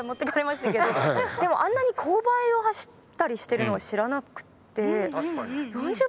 でもあんなに勾配を走ったりしてるのは知らなくって。